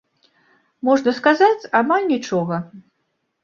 Можна сказаць, амаль нічога.